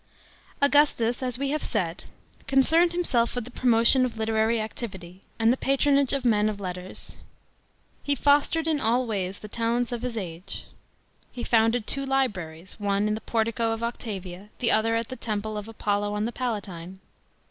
AUGUSTUS, as we have s aid, concerned himself with the pro motion of literary activity, and the patronage of men of letters. "He fostered in all ways the talents of his age."* He founded two libraries, one in the portico of Octavia, the other at the temple of Apollo 011 the Palatine.